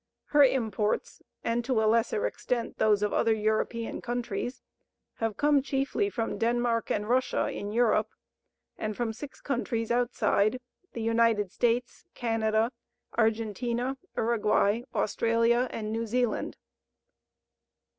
Her imports, and to a lesser extent those of other European countries, have come chiefly from Denmark and Russia in Europe, and from six countries outside the United States, Canada, Argentina, Uruguay, Australia, and New Zealand.